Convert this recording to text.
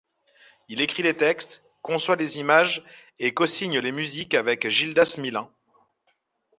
Il écrit les textes, conçoit les images et cosigne les musiques avec Gildas Milin.